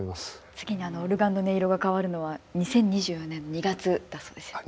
次にオルガンの音色が変わるのは２０２４年の２月だそうです。